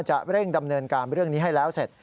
จะเร่งดำเนินการเรื่องนี้ให้แล้วเสร็จ